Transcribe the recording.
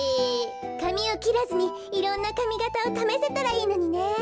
かみをきらずにいろんなかみがたをためせたらいいのにね。